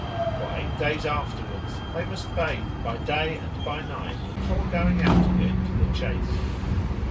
For eight days afterwards they must bathe by day and by night before going out again to the chase.